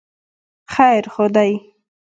خیر خو دی.